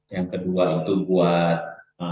yang kedua itu buat